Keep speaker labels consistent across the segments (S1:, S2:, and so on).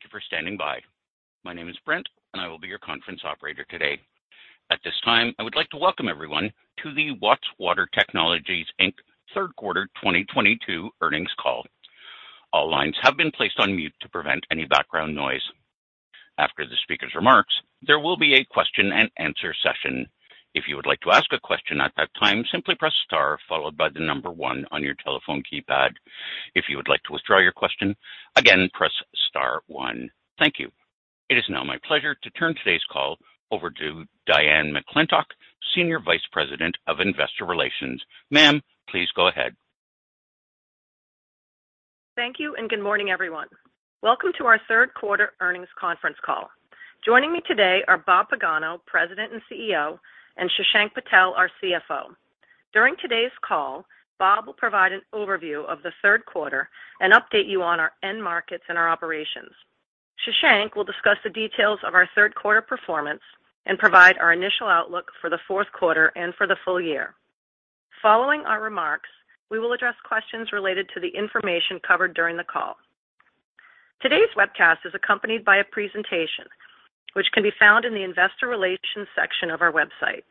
S1: Thank you for standing by. My name is Brent, and I will be your conference operator today. At this time, I would like to welcome everyone to the Watts Water Technologies, Inc. third quarter 2022 earnings call. All lines have been placed on mute to prevent any background noise. After the speaker's remarks, there will be a question-and-answer session. If you would like to ask a question at that time, simply press star followed by the number one on your telephone keypad. If you would like to withdraw your question, again, press star one. Thank you. It is now my pleasure to turn today's call over to Diane McClintock, Senior Vice President of Investor Relations. Ma'am, please go ahead.
S2: Thank you, and good morning, everyone. Welcome to our third quarter earnings conference call. Joining me today are Robert Pagano, President and CEO, and Shashank Patel, our CFO. During today's call, Bob will provide an overview of the third quarter and update you on our end markets and our operations. Shashank will discuss the details of our third quarter performance and provide our initial outlook for the fourth quarter and for the full year. Following our remarks, we will address questions related to the information covered during the call. Today's webcast is accompanied by a presentation which can be found in the investor relations section of our website.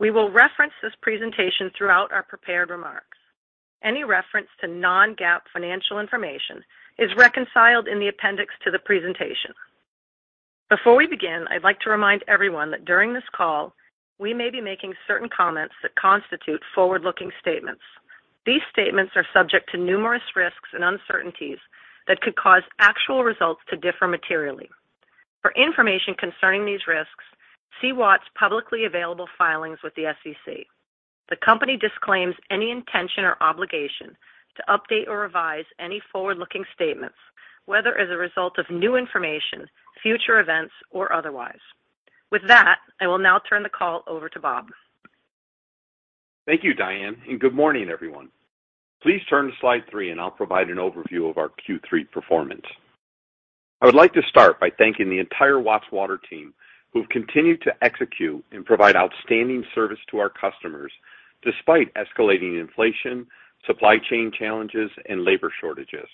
S2: We will reference this presentation throughout our prepared remarks. Any reference to non-GAAP financial information is reconciled in the appendix to the presentation. Before we begin, I'd like to remind everyone that during this call, we may be making certain comments that constitute forward-looking statements. These statements are subject to numerous risks and uncertainties that could cause actual results to differ materially. For information concerning these risks, see Watts' publicly available filings with the SEC. The company disclaims any intention or obligation to update or revise any forward-looking statements, whether as a result of new information, future events, or otherwise. With that, I will now turn the call over to Bob.
S3: Thank you, Diane, and good morning, everyone. Please turn to slide 3 and I'll provide an overview of our Q3 performance. I would like to start by thanking the entire Watts Water team, who've continued to execute and provide outstanding service to our customers despite escalating inflation, supply chain challenges, and labor shortages.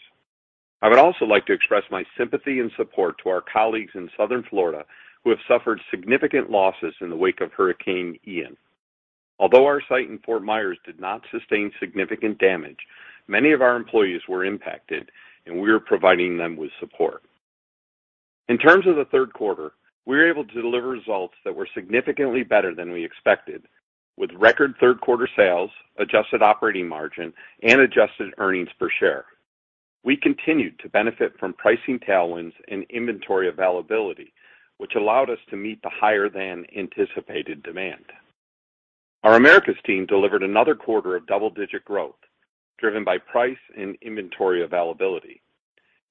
S3: I would also like to express my sympathy and support to our colleagues in South Florida who have suffered significant losses in the wake of Hurricane Ian. Although our site in Fort Myers did not sustain significant damage, many of our employees were impacted, and we are providing them with support. In terms of the third quarter, we were able to deliver results that were significantly better than we expected with record third quarter sales, adjusted operating margin, and adjusted earnings per share. We continued to benefit from pricing tailwinds and inventory availability, which allowed us to meet the higher than anticipated demand. Our Americas team delivered another quarter of double-digit growth driven by price and inventory availability,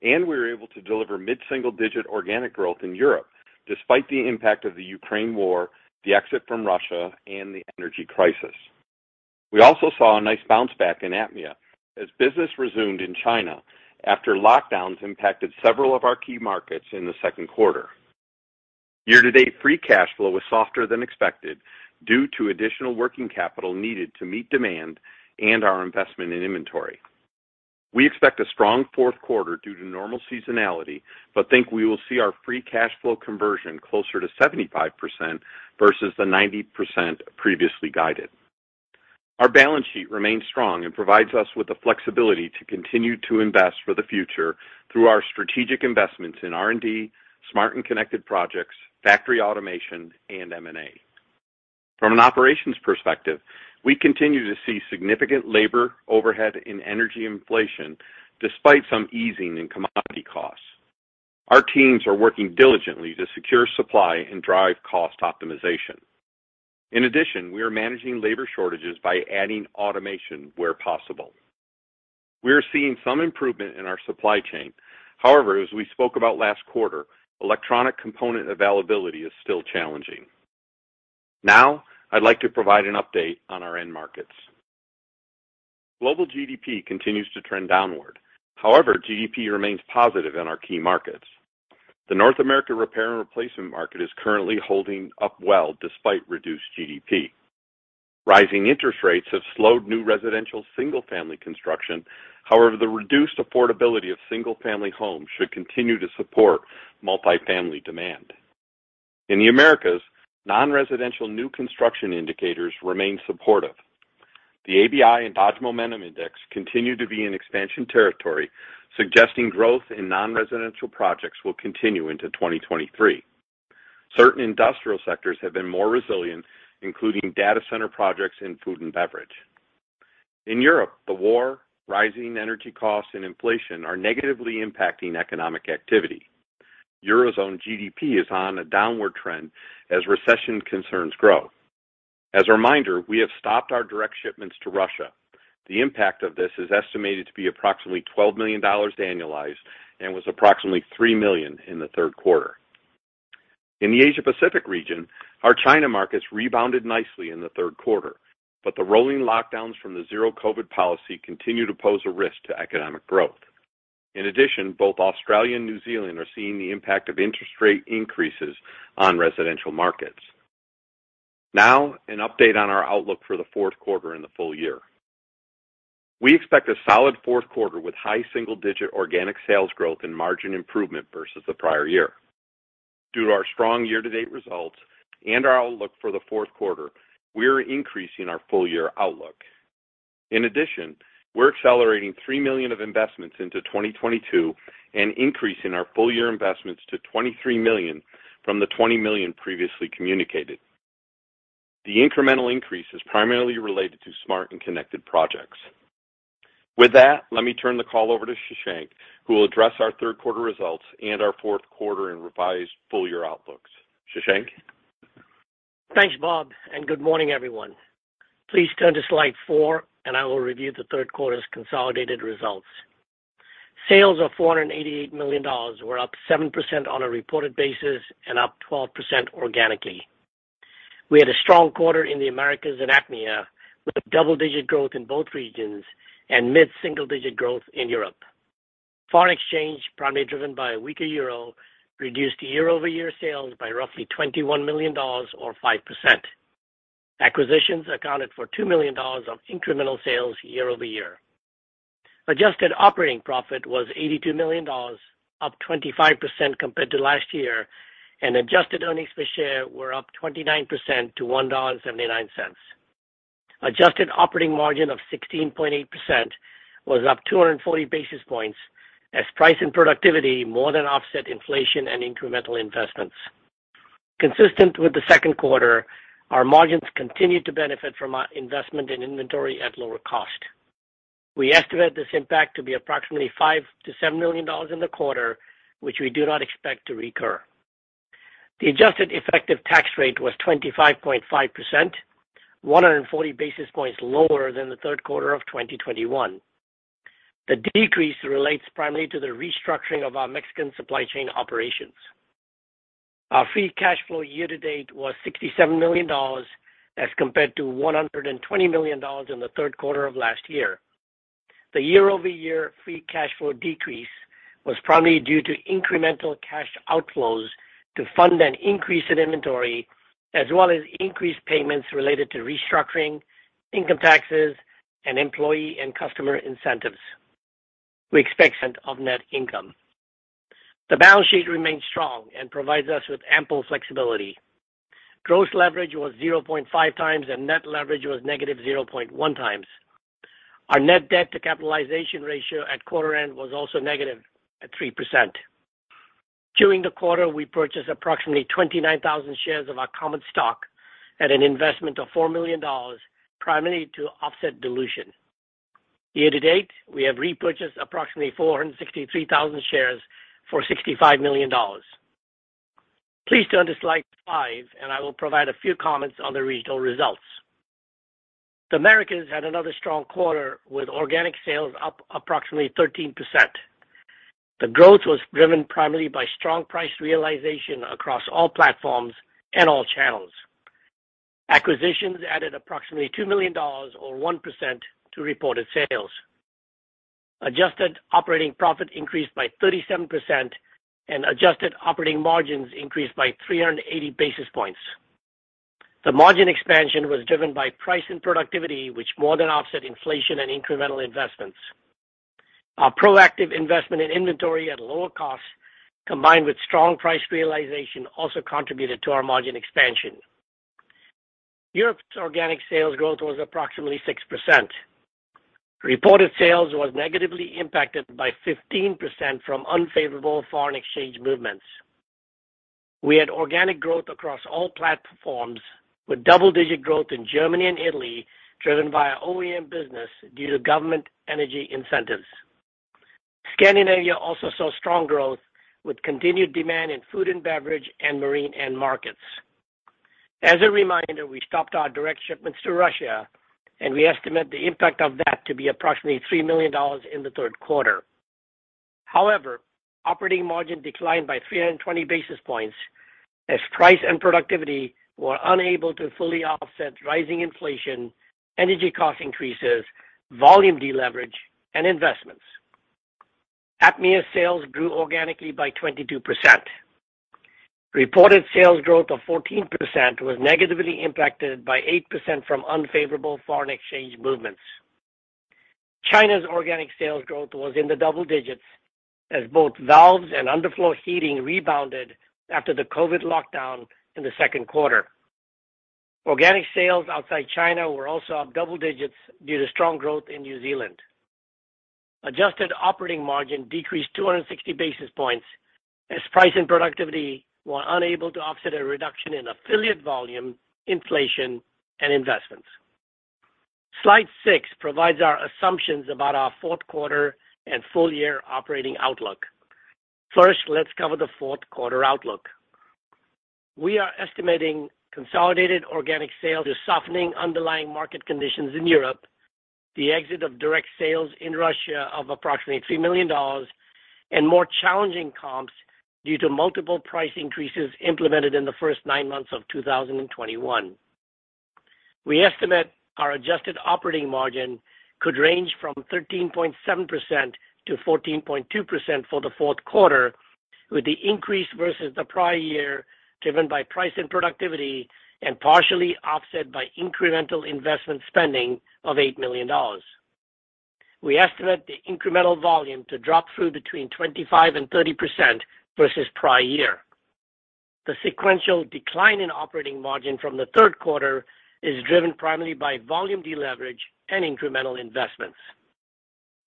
S3: and we were able to deliver mid-single digit organic growth in Europe despite the impact of the Ukraine war, the exit from Russia, and the energy crisis. We also saw a nice bounce back in APMEA as business resumed in China after lockdowns impacted several of our key markets in the second quarter. Year-to-date, free cash flow was softer than expected due to additional working capital needed to meet demand and our investment in inventory. We expect a strong fourth quarter due to normal seasonality, but think we will see our free cash flow conversion closer to 75% versus the 90% previously guided. Our balance sheet remains strong and provides us with the flexibility to continue to invest for the future through our strategic investments in R&D, smart and connected projects, factory automation, and M&A. From an operations perspective, we continue to see significant labor, overhead, and energy inflation despite some easing in commodity costs. Our teams are working diligently to secure supply and drive cost optimization. In addition, we are managing labor shortages by adding automation where possible. We are seeing some improvement in our supply chain. However, as we spoke about last quarter, electronic component availability is still challenging. Now, I'd like to provide an update on our end markets. Global GDP continues to trend downward. However, GDP remains positive in our key markets. The North America repair and replacement market is currently holding up well despite reduced GDP. Rising interest rates have slowed new residential single-family construction. However, the reduced affordability of single-family homes should continue to support multi-family demand. In the Americas, non-residential new construction indicators remain supportive. The ABI and Dodge Momentum Index continue to be in expansion territory, suggesting growth in non-residential projects will continue into 2023. Certain industrial sectors have been more resilient, including data center projects in food and beverage. In Europe, the war, rising energy costs, and inflation are negatively impacting economic activity. Eurozone GDP is on a downward trend as recession concerns grow. As a reminder, we have stopped our direct shipments to Russia. The impact of this is estimated to be approximately $12 million annualized and was approximately $3 million in the third quarter. In the Asia Pacific region, our China markets rebounded nicely in the third quarter, but the rolling lockdowns from the Zero-COVID policy continue to pose a risk to economic growth. In addition, both Australia and New Zealand are seeing the impact of interest rate increases on residential markets. Now, an update on our outlook for the fourth quarter and the full year. We expect a solid fourth quarter with high single-digit organic sales growth and margin improvement versus the prior year. Due to our strong year-to-date results and our outlook for the fourth quarter, we're increasing our full-year outlook. In addition, we're accelerating $3 million of investments into 2022 and increasing our full-year investments to $23 million from the $20 million previously communicated. The incremental increase is primarily related to smart and connected projects. With that, let me turn the call over to Shashank, who will address our third quarter results and our fourth quarter and revised full-year outlooks. Shashank?
S4: Thanks, Bob, and good morning, everyone. Please turn to slide 4, and I will review the third quarter's consolidated results. Sales of $488 million were up 7% on a reported basis and up 12% organically. We had a strong quarter in the Americas and APMEA, with double-digit growth in both regions and mid-single-digit growth in Europe. Foreign exchange, primarily driven by a weaker euro, reduced year-over-year sales by roughly $21 million or 5%. Acquisitions accounted for $2 million of incremental sales year over year. Adjusted operating profit was $82 million, up 25% compared to last year, and adjusted earnings per share were up 29% to $1.79. Adjusted operating margin of 16.8% was up 240 basis points as price and productivity more than offset inflation and incremental investments. Consistent with the second quarter, our margins continued to benefit from our investment in inventory at lower cost. We estimate this impact to be approximately $5-$7 million in the quarter, which we do not expect to recur. The adjusted effective tax rate was 25.5%, 140 basis points lower than the third quarter of 2021. The decrease relates primarily to the restructuring of our Mexican supply chain operations. Our free cash flow year to date was $67 million as compared to $120 million in the third quarter of last year. The year-over-year free cash flow decrease was primarily due to incremental cash outflows to fund an increase in inventory, as well as increased payments related to restructuring, income taxes, and employee and customer incentives. We expect of net income. The balance sheet remains strong and provides us with ample flexibility. Gross leverage was 0.5 times, and net leverage was negative 0.1 times. Our net debt to capitalization ratio at quarter end was also negative 3%. During the quarter, we purchased approximately 29,000 shares of our common stock at an investment of $4 million, primarily to offset dilution. Year to date, we have repurchased approximately 463,000 shares for $65 million. Please turn to slide 5, and I will provide a few comments on the regional results. The Americas had another strong quarter with organic sales up approximately 13%. The growth was driven primarily by strong price realization across all platforms and all channels. Acquisitions added approximately $2 million or 1% to reported sales. Adjusted operating profit increased by 37% and adjusted operating margins increased by 380 basis points. The margin expansion was driven by price and productivity, which more than offset inflation and incremental investments. Our proactive investment in inventory at lower costs, combined with strong price realization, also contributed to our margin expansion. Europe's organic sales growth was approximately 6%. Reported sales was negatively impacted by 15% from unfavorable foreign exchange movements. We had organic growth across all platforms, with double-digit growth in Germany and Italy driven by our OEM business due to government energy incentives. Scandinavia also saw strong growth with continued demand in food and beverage and marine end markets. As a reminder, we stopped our direct shipments to Russia, and we estimate the impact of that to be approximately $3 million in the third quarter. However, operating margin declined by 320 basis points as price and productivity were unable to fully offset rising inflation, energy cost increases, volume deleverage, and investments. APMEA sales grew organically by 22%. Reported sales growth of 14% was negatively impacted by 8% from unfavorable foreign exchange movements. China's organic sales growth was in the double digits as both valves and underfloor heating rebounded after the COVID lockdown in the second quarter. Organic sales outside China were also up double digits due to strong growth in New Zealand. Adjusted operating margin decreased 260 basis points as price and productivity were unable to offset a reduction in affiliate volume, inflation, and investments. Slide 6 provides our assumptions about our fourth quarter and full-year operating outlook. First, let's cover the fourth quarter outlook. We are estimating consolidated organic sales growth due to softening underlying market conditions in Europe, the exit of direct sales in Russia of approximately $3 million, and more challenging comps due to multiple price increases implemented in the first nine months of 2021. We estimate our adjusted operating margin could range from 13.7% to 14.2% for the fourth quarter. With the increase versus the prior year, driven by price and productivity, and partially offset by incremental investment spending of $8 million. We estimate the incremental volume to drop through between 25% and 30% versus prior year. The sequential decline in operating margin from the third quarter is driven primarily by volume deleverage and incremental investments.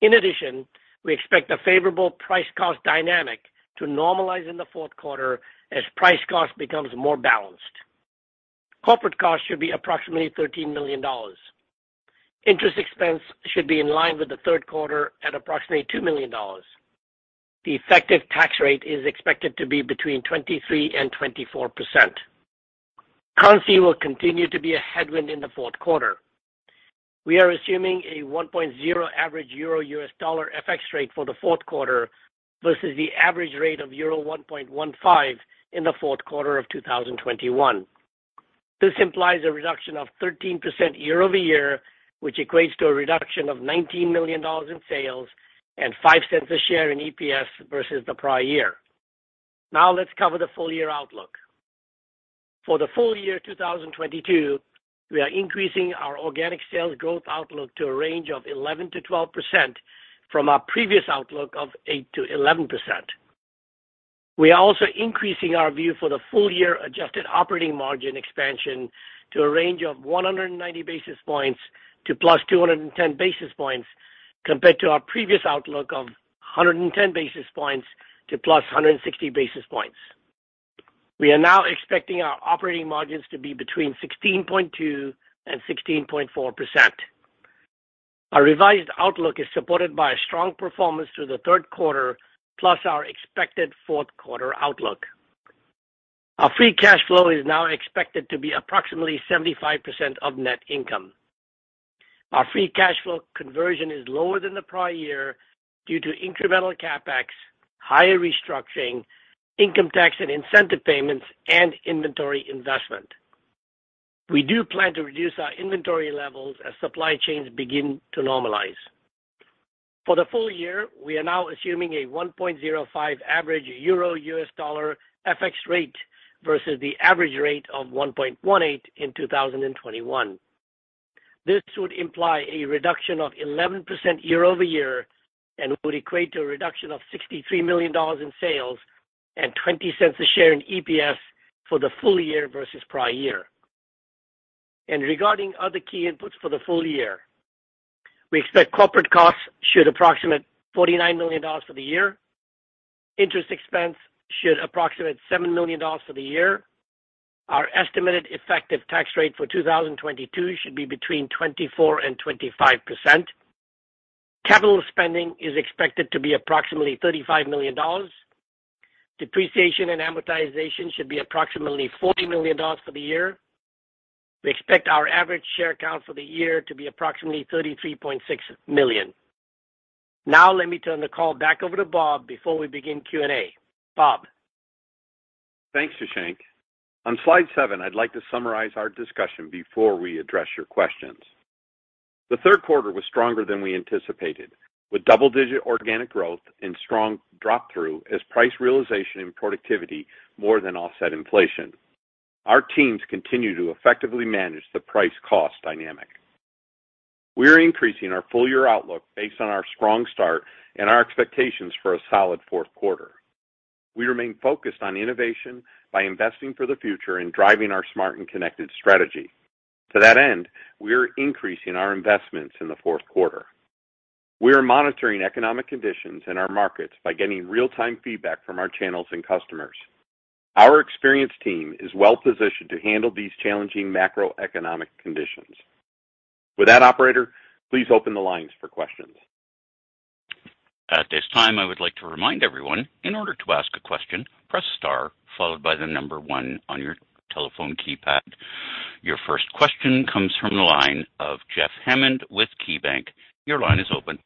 S4: In addition, we expect a favorable price-cost dynamic to normalize in the fourth quarter as price-cost becomes more balanced. Corporate costs should be approximately $13 million. Interest expense should be in line with the third quarter at approximately $2 million. The effective tax rate is expected to be between 23% and 24%. Currency will continue to be a headwind in the fourth quarter. We are assuming a 1.0 average EUR/USD FX rate for the fourth quarter versus the average rate of euro 1.15 in the fourth quarter of 2021. This implies a reduction of 13% year-over-year, which equates to a reduction of $19 million in sales and $0.05 a share in EPS versus the prior year. Now let's cover the full year outlook. For the full year 2022, we are increasing our organic sales growth outlook to a range of 11%-12% from our previous outlook of 8%-11%. We are also increasing our view for the full year adjusted operating margin expansion to a range of 190 basis points to +210 basis points compared to our previous outlook of 110 basis points to +160 basis points. We are now expecting our operating margins to be between 16.2% and 16.4%. Our revised outlook is supported by a strong performance through the third quarter, plus our expected fourth quarter outlook. Our free cash flow is now expected to be approximately 75% of net income. Our free cash flow conversion is lower than the prior year due to incremental CapEx, higher restructuring, income tax and incentive payments, and inventory investment. We do plan to reduce our inventory levels as supply chains begin to normalize. For the full year, we are now assuming a 1.05 average euro-US dollar FX rate versus the average rate of 1.18 in 2021. This would imply a reduction of 11% year-over-year and would equate to a reduction of $63 million in sales and $0.20 a share in EPS for the full year versus prior year. Regarding other key inputs for the full year, we expect corporate costs should approximate $49 million for the year. Interest expense should approximate $7 million for the year. Our estimated effective tax rate for 2022 should be between 24% and 25%. Capital spending is expected to be approximately $35 million. Depreciation and amortization should be approximately $40 million for the year. We expect our average share count for the year to be approximately 33.6 million. Now let me turn the call back over to Bob before we begin Q&A. Bob?
S3: Thanks, Shashank. On slide seven, I'd like to summarize our discussion before we address your questions. The third quarter was stronger than we anticipated, with double-digit organic growth and strong drop through as price realization and productivity more than offset inflation. Our teams continue to effectively manage the price cost dynamic. We're increasing our full year outlook based on our strong start and our expectations for a solid fourth quarter. We remain focused on innovation by investing for the future and driving our smart and connected strategy. To that end, we are increasing our investments in the fourth quarter. We are monitoring economic conditions in our markets by getting real-time feedback from our channels and customers. Our experienced team is well positioned to handle these challenging macroeconomic conditions. With that, operator, please open the lines for questions.
S1: At this time, I would like to remind everyone, in order to ask a question, press star followed by the number one on your telephone keypad. Your first question comes from the line of Jeff Hammond with KeyBanc Capital Markets. Your line is open.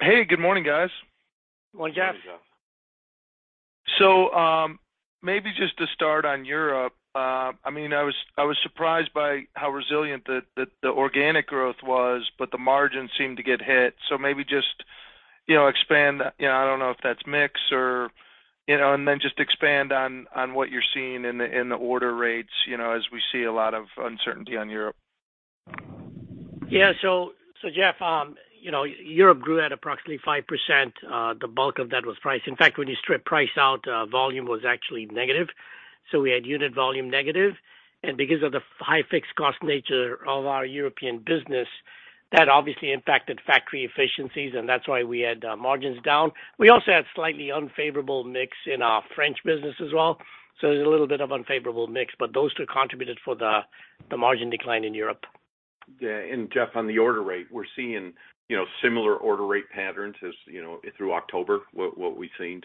S5: Hey, good morning, guys.
S4: Good morning, Jeff.
S3: Good morning, Jeff.
S5: Maybe just to start on Europe. I mean, I was surprised by how resilient the organic growth was, but the margin seemed to get hit. Maybe just, you know, expand. You know, I don't know if that's mix or, you know, and then just expand on what you're seeing in the order rates, you know, as we see a lot of uncertainty on Europe.
S4: Jeff, you know, Europe grew at approximately 5%. The bulk of that was price. In fact, when you strip price out, volume was actually negative. We had unit volume negative. Because of the high fixed cost nature of our European business, that obviously impacted factory efficiencies, and that's why we had margins down. We also had slightly unfavorable mix in our French business as well. There's a little bit of unfavorable mix, but those two contributed to the margin decline in Europe.
S3: Yeah. Jeff, on the order rate, we're seeing, you know, similar order rate patterns as, you know, through October, what we've seen.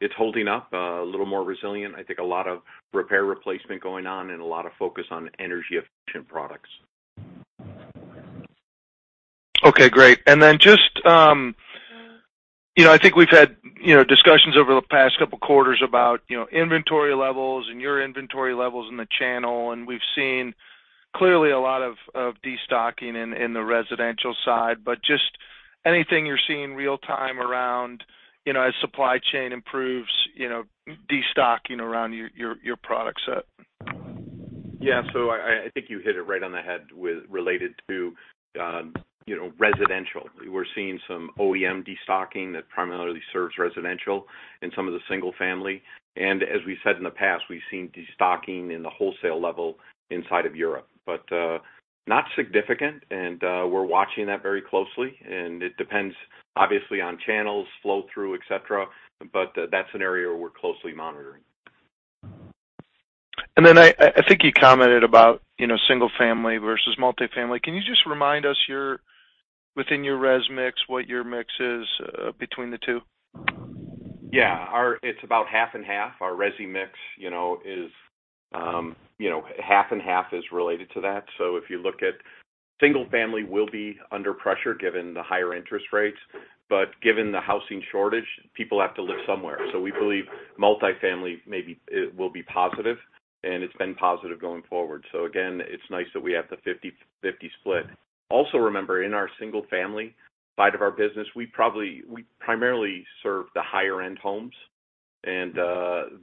S3: It's holding up a little more resilient. I think a lot of repair replacement going on and a lot of focus on energy efficient products.
S5: Okay, great. Then just, you know, I think we've had, you know, discussions over the past couple quarters about, you know, inventory levels and your inventory levels in the channel, and we've seen clearly a lot of destocking in the residential side, but just anything you're seeing real time around, you know, as supply chain improves, you know, destocking around your product set.
S3: Yeah. I think you hit it right on the head with regard to residential. We're seeing some OEM destocking that primarily serves residential and some of the single family. As we said in the past, we've seen destocking in the wholesale level inside of Europe, but not significant. We're watching that very closely, and it depends, obviously, on channels, flow-through, et cetera. That's an area we're closely monitoring.
S5: I think you commented about, you know, single family versus multifamily. Can you just remind us your within your res mix, what your mix is, between the two?
S3: Yeah. It's about half and half. Our resi mix, you know, is half and half related to that. If you look at single family will be under pressure given the higher interest rates, but given the housing shortage, people have to live somewhere. We believe multifamily maybe it will be positive and it's been positive going forward. Again, it's nice that we have the 50-50 split. Also, remember, in our single family side of our business, we primarily serve the higher end homes.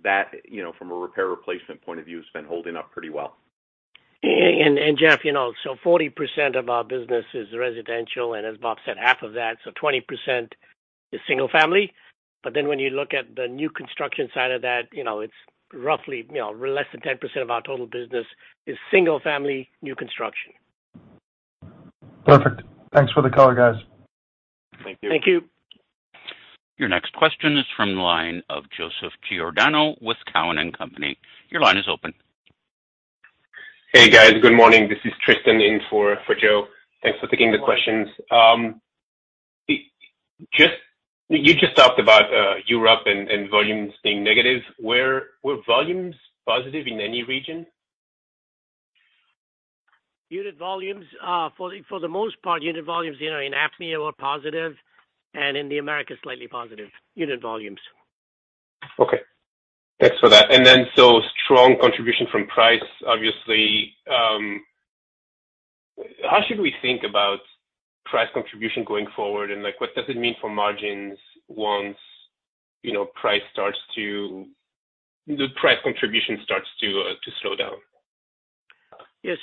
S3: That, you know, from a repair replacement point of view, has been holding up pretty well.
S4: Jeff, you know, 40% of our business is residential, and as Bob said, half of that. 20% is single family. When you look at the new construction side of that, you know, it's roughly, you know, less than 10% of our total business is single family new construction.
S5: Perfect. Thanks for the color, guys.
S3: Thank you.
S4: Thank you.
S1: Your next question is from the line of Joseph Giordano with TD Cowen. Your line is open.
S6: Hey, guys. Good morning. This is Tristan in for Joe. Thanks for taking the questions. You just talked about Europe and volumes being negative. Were volumes positive in any region?
S4: Unit volumes for the most part, you know, in APMEA were positive and in the Americas, slightly positive.
S6: Okay. Thanks for that. Strong contribution from price, obviously. How should we think about price contribution going forward? Like, what does it mean for margins once, you know, the price contribution starts to slow down?
S4: Yeah.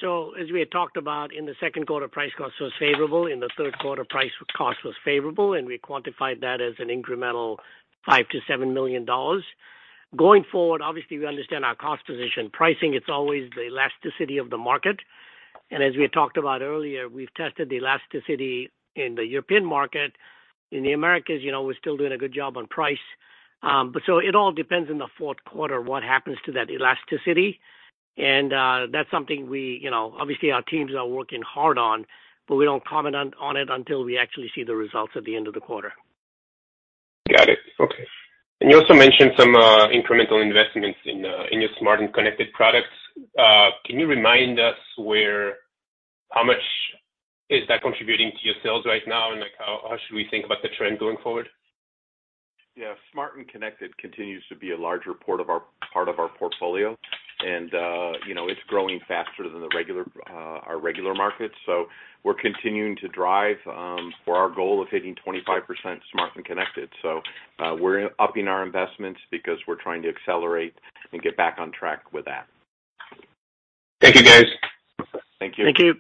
S4: As we had talked about in the second quarter, price cost was favorable. In the third quarter, price cost was favorable, and we quantified that as an incremental $5 million-$7 million. Going forward, obviously, we understand our cost position. Pricing, it's always the elasticity of the market. As we had talked about earlier, we've tested the elasticity in the European market. In the Americas, you know, we're still doing a good job on price. It all depends in the fourth quarter, what happens to that elasticity. That's something we, you know, obviously our teams are working hard on, but we don't comment on it until we actually see the results at the end of the quarter.
S6: Got it. Okay. You also mentioned some incremental investments in your smart and connected products. Can you remind us how much is that contributing to your sales right now? Like, how should we think about the trend going forward?
S3: Yeah, smart and connected continues to be a larger part of our portfolio. You know, it's growing faster than our regular market. We're continuing to drive for our goal of hitting 25% smart and connected. We're upping our investments because we're trying to accelerate and get back on track with that.
S6: Thank you, guys.
S3: Thank you.
S4: Thank you.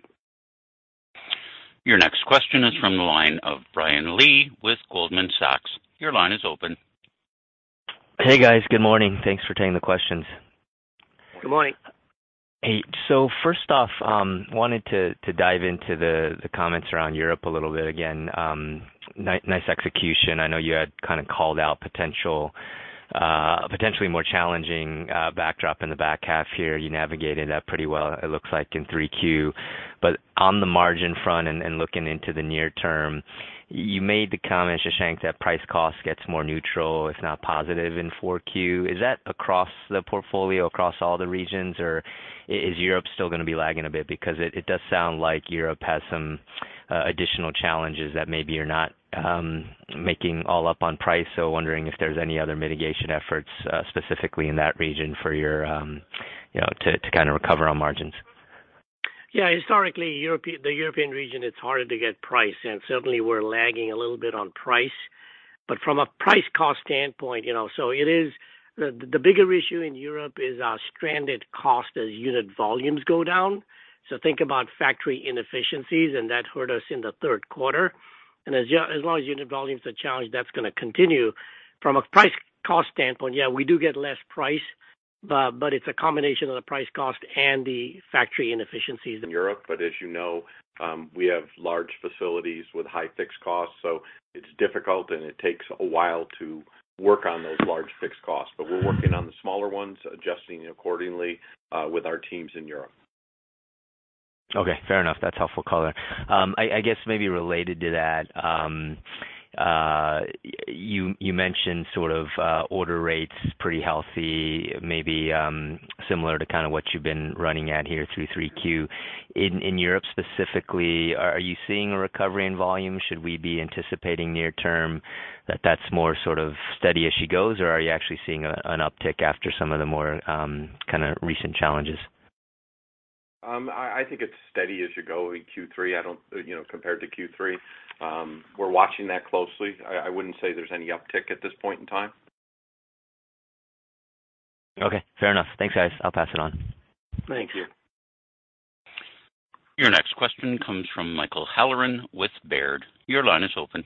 S1: Your next question is from the line of Brian Lee with Goldman Sachs. Your line is open.
S7: Hey, guys. Good morning. Thanks for taking the questions.
S4: Good morning.
S7: Hey. First off, wanted to dive into the comments around Europe a little bit again. Nice execution. I know you had kinda called out potentially more challenging backdrop in the back half here. You navigated that pretty well, it looks like in 3Q. On the margin front and looking into the near term, you made the comment, Shashank, that price cost gets more neutral. It's not positive in 4Q. Is that across the portfolio, across all the regions, or is Europe still gonna be lagging a bit? Because it does sound like Europe has some additional challenges that maybe you're not making all up on price. Wondering if there's any other mitigation efforts specifically in that region for your you know to kinda recover on margins.
S4: Yeah. Historically, Europe, the European region, it's harder to get price, and certainly we're lagging a little bit on price. From a price cost standpoint, you know, the bigger issue in Europe is our stranded cost as unit volumes go down. Think about factory inefficiencies, and that hurt us in the third quarter. As long as unit volumes are challenged, that's gonna continue. From a price cost standpoint, yeah, we do get less price, but it's a combination of the price cost and the factory inefficiencies.
S3: In Europe, but as you know, we have large facilities with high fixed costs, so it's difficult and it takes a while to work on those large fixed costs. We're working on the smaller ones, adjusting accordingly, with our teams in Europe.
S7: Okay. Fair enough. That's helpful color. I guess maybe related to that, you mentioned sort of order rates pretty healthy, maybe similar to kind of what you've been running at here through three Q. In Europe specifically, are you seeing a recovery in volume? Should we be anticipating near term that that's more sort of steady as she goes, or are you actually seeing an uptick after some of the more kinda recent challenges?
S3: I think it's steady as you go in Q3. You know, compared to Q3. We're watching that closely. I wouldn't say there's any uptick at this point in time.
S1: Okay, fair enough. Thanks, guys. I'll pass it on.
S3: Thanks.
S4: Thank you.
S1: Your next question comes from Michael Halloran with Baird. Your line is open.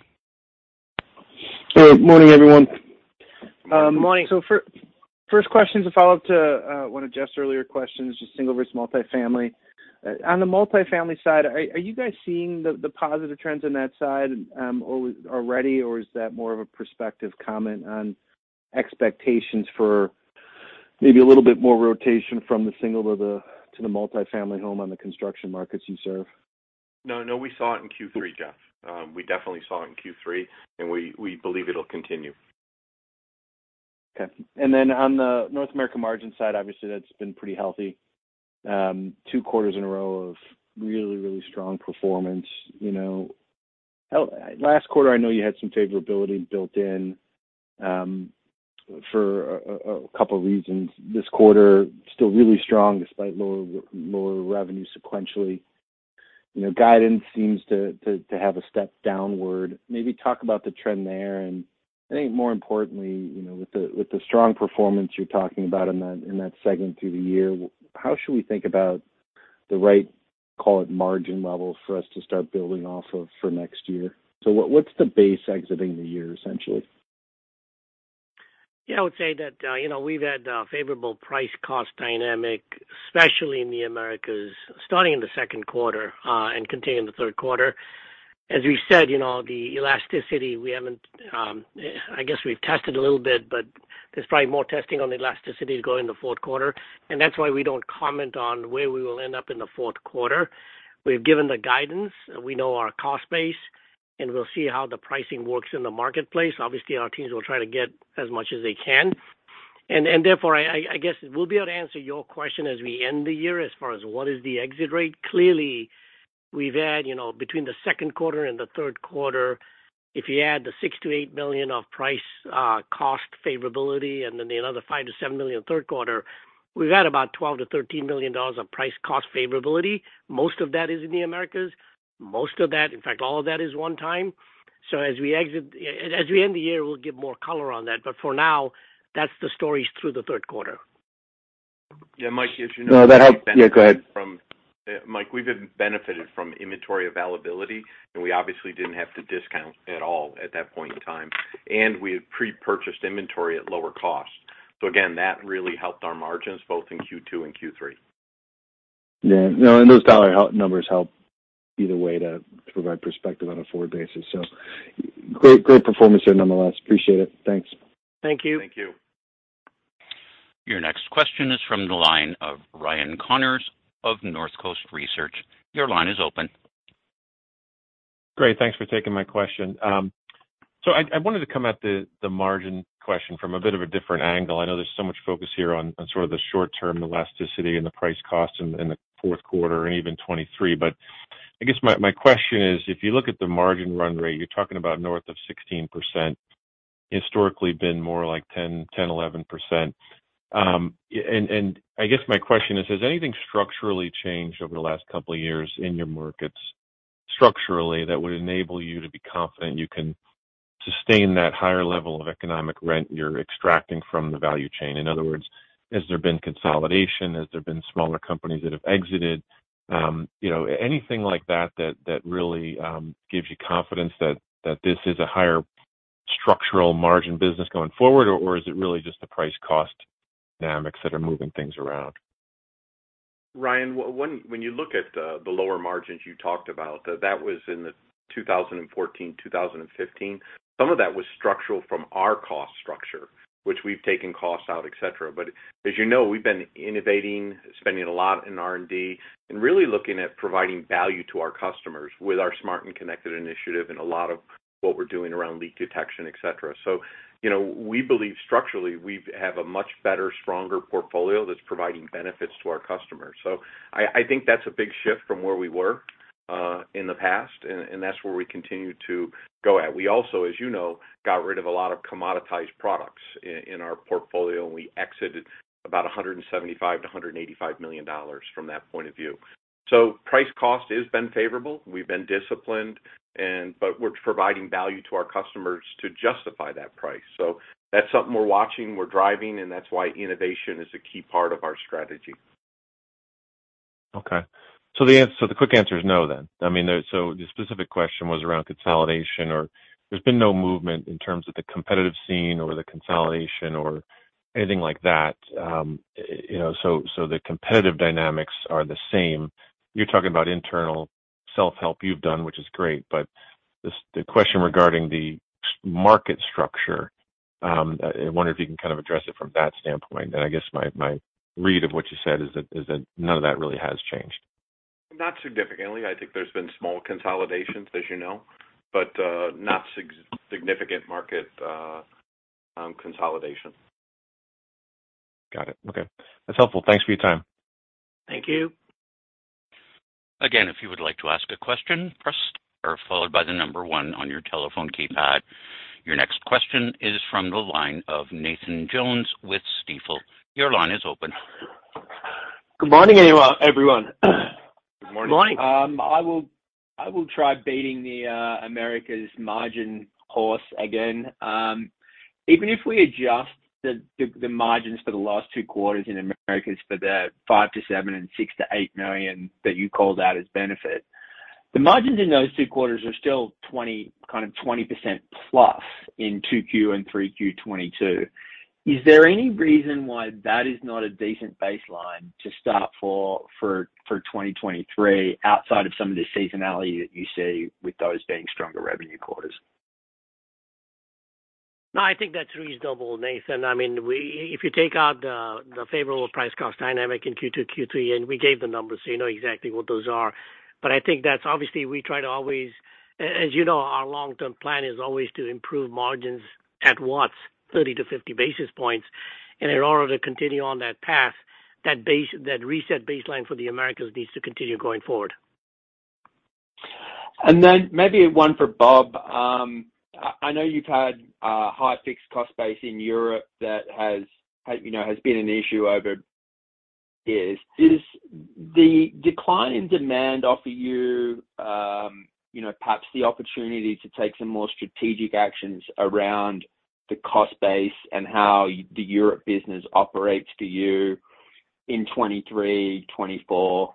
S8: Good morning, everyone.
S3: Morning.
S8: First question is a follow-up to one of Jeff's earlier questions, just single versus multifamily. On the multifamily side, are you guys seeing the positive trends on that side already, or is that more of a perspective comment on expectations for maybe a little bit more rotation from the single to the multifamily home on the construction markets you serve?
S3: No, no, we saw it in Q3, Jeff. We definitely saw it in Q3, and we believe it'll continue.
S8: Okay. On the North America margin side, obviously that's been pretty healthy. Two quarters in a row of really, really strong performance. You know, last quarter, I know you had some favorability built in for a couple reasons. This quarter, still really strong despite lower revenue sequentially. You know, guidance seems to have a step downward. Maybe talk about the trend there, and I think more importantly, you know, with the strong performance you're talking about in that segment through the year, how should we think about the right, call it, margin level for us to start building off of for next year? What's the base exiting the year, essentially?
S4: Yeah, I would say that, you know, we've had a favorable price cost dynamic, especially in the Americas, starting in the second quarter, and continuing in the third quarter. As we said, you know, the elasticity, we haven't, I guess we've tested a little bit, but there's probably more testing on the elasticity to go in the fourth quarter, and that's why we don't comment on where we will end up in the fourth quarter. We've given the guidance. We know our cost base, and we'll see how the pricing works in the marketplace. Obviously, our teams will try to get as much as they can. Therefore, I guess we'll be able to answer your question as we end the year as far as what is the exit rate. Clearly, we've had, you know, between the second quarter and the third quarter, if you add the $6-$8 million of price cost favorability and then another $5-$7 million third quarter, we've had about $12-$13 million of price cost favorability. Most of that is in the Americas. Most of that, in fact, all of that is one time. As we end the year, we'll give more color on that. But for now, that's the story through the third quarter.
S3: Yeah, Mike, as you know.
S8: No, that helped. Yeah, go ahead.
S3: Mike, we've benefited from inventory availability, and we obviously didn't have to discount at all at that point in time. We had pre-purchased inventory at lower cost. Again, that really helped our margins both in Q2 and Q3.
S8: Yeah. No, those dollar numbers help either way to provide perspective on a forward basis. Great performance there nonetheless. Appreciate it. Thanks.
S4: Thank you.
S3: Thank you.
S1: Your next question is from the line of Ryan Connors of Northcoast Research. Your line is open.
S9: Great. Thanks for taking my question. So I wanted to come at the margin question from a bit of a different angle. I know there's so much focus here on sort of the short-term elasticity and the price-cost in the fourth quarter and even '23. I guess my question is, if you look at the margin run rate, you're talking about north of 16%. Historically been more like 10, 11%. And I guess my question is, has anything structurally changed over the last couple of years in your markets structurally that would enable you to be confident you can sustain that higher level of economic rent you're extracting from the value chain? In other words, has there been consolidation? Has there been smaller companies that have exited? You know, anything like that that really gives you confidence that this is a higher structural margin business going forward, or is it really just the price cost dynamics that are moving things around?
S3: Ryan, when you look at the lower margins you talked about, that was in the 2014, 2015. Some of that was structural from our cost structure, which we've taken costs out, et cetera. As you know, we've been innovating, spending a lot in R&D and really looking at providing value to our customers with our smart and connected initiative and a lot of what we're doing around leak detection, et cetera. You know, we believe structurally, we have a much better, stronger portfolio that's providing benefits to our customers. I think that's a big shift from where we were in the past, and that's where we continue to go. We also, as you know, got rid of a lot of commoditized products in our portfolio. We exited about $175 million-$185 million from that point of view. Price cost has been favorable. We've been disciplined but we're providing value to our customers to justify that price. That's something we're watching, we're driving, and that's why innovation is a key part of our strategy.
S9: The quick answer is no then. I mean, the specific question was around consolidation or there's been no movement in terms of the competitive scene or the consolidation or anything like that. You know, the competitive dynamics are the same. You're talking about internal self-help you've done, which is great. The question regarding the market structure, I wonder if you can kind of address it from that standpoint. I guess my read of what you said is that none of that really has changed.
S3: Not significantly. I think there's been small consolidations, as you know, but not significant market consolidation.
S9: Got it. Okay. That's helpful. Thanks for your time.
S4: Thank you.
S1: Again, if you would like to ask a question, press star followed by the number one on your telephone keypad. Your next question is from the line of Nathan Jones with Stifel. Your line is open.
S10: Good morning, everyone.
S3: Good morning.
S10: I will try beating the Americas margin horse again. Even if we adjust the margins for the last two quarters in Americas for the $5 million-$7 million and $6 million-$8 million that you called out as benefit, the margins in those two quarters are still kind of 20% plus in 2Q and 3Q 2022. Is there any reason why that is not a decent baseline to start for 2023 outside of some of the seasonality that you see with those being stronger revenue quarters?
S4: No, I think that's reasonable, Nathan. I mean, we if you take out the the favorable price cost dynamic in Q2, Q3, and we gave the numbers, so you know exactly what those are. I think that's obviously we try to always as you know, our long-term plan is always to improve margins at Watts 30-50 basis points. In order to continue on that path, that reset baseline for the Americas needs to continue going forward.
S10: Maybe one for Bob. I know you've had a high fixed cost base in Europe that has, you know, has been an issue over years. Does the decline in demand offer you know, perhaps the opportunity to take some more strategic actions around the cost base and how the Europe business operates for you in 2023, 2024?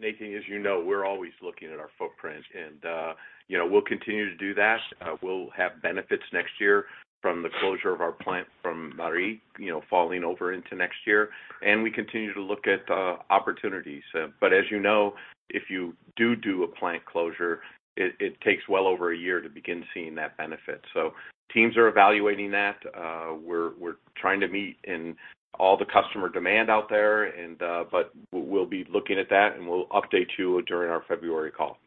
S3: Nathan, as you know, we're always looking at our footprint and, you know, we'll continue to do that. We'll have benefits next year from the closure of our plant from Hautvillers-Ouville, you know, falling over into next year. We continue to look at opportunities. As you know, if you do a plant closure, it takes well over a year to begin seeing that benefit. Teams are evaluating that. We're trying to meet all the customer demand out there, but we'll be looking at that, and we'll update you during our February call.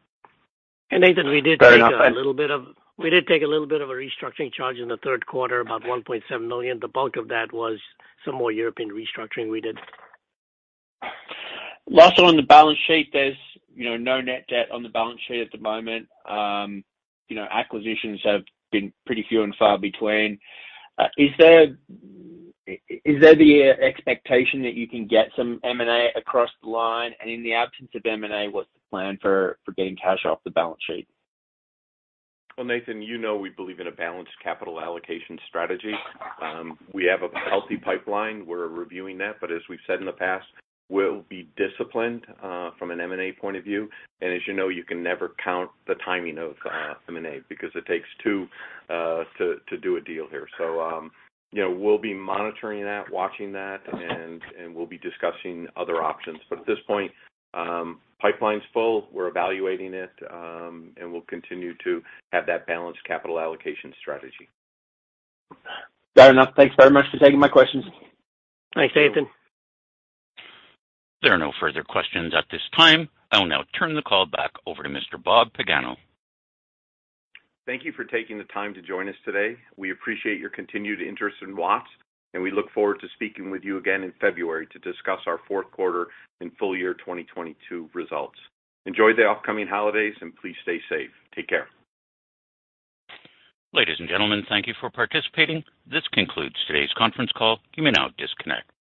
S4: Nathan, we did take a little bit of.
S10: Fair enough. Thanks.
S4: We did take a little bit of a restructuring charge in the third quarter, about $1.7 million. The bulk of that was some more European restructuring we did.
S10: Last one on the balance sheet. There's, you know, no net debt on the balance sheet at the moment. You know, acquisitions have been pretty few and far between. Is there the expectation that you can get some M&A across the line? In the absence of M&A, what's the plan for getting cash off the balance sheet?
S3: Well, Nathan, you know, we believe in a balanced capital allocation strategy. We have a healthy pipeline. We're reviewing that. As we've said in the past, we'll be disciplined from an M&A point of view. As you know, you can never count the timing of M&A because it takes two to do a deal here. You know, we'll be monitoring that, watching that, and we'll be discussing other options. At this point, pipeline's full, we're evaluating it, and we'll continue to have that balanced capital allocation strategy.
S10: Fair enough. Thanks very much for taking my questions.
S4: Thanks, Nathan.
S1: There are no further questions at this time. I'll now turn the call back over to Mr. Robert Pagano.
S3: Thank you for taking the time to join us today. We appreciate your continued interest in Watts, and we look forward to speaking with you again in February to discuss our fourth quarter and full year 2022 results. Enjoy the upcoming holidays, and please stay safe. Take care.
S1: Ladies and gentlemen, thank you for participating. This concludes today's conference call. You may now disconnect.